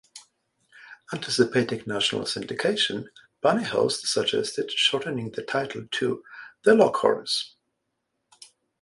Anticipating national syndication, Bunny Hoest suggested shortening the title to "The Lockhorns".